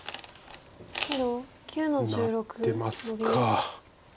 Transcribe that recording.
なってますか。